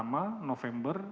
draft yang dipegang pada november